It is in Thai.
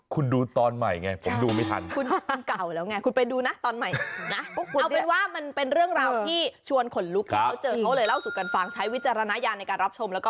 คือกอลัม